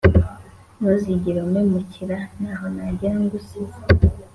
ntuzigera umpemukira, ntaho nagera ngusize